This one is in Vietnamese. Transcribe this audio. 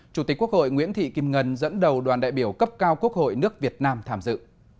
chủ tịch quốc hội nguyễn thị kim ngân dẫn đầu đoàn đại biểu cấp cao quốc hội nước việt nam tham dự